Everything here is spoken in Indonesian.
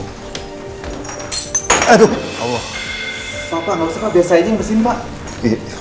gak usah pak biar saya yang bersihin pak